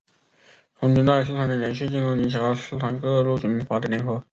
红军在四川的连续进攻引起了四川各路军阀的联合。